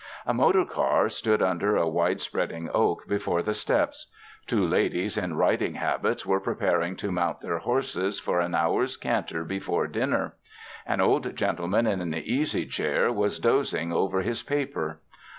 A motor car stood under a wide spreading oak before the steps; two ladies in riding habits were preparing to mount their horses for an hour's canter before dinner; an old gentleman in an easy chair was dozing over his paper.